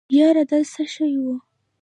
يره دا څه شی و.